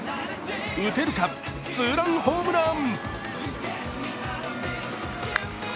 打てるか、ツーランホームラン。